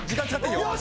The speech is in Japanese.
よし！